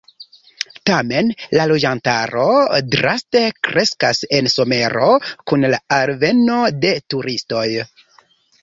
Tamen la loĝantaro draste kreskas en somero kun la alveno de turistoj.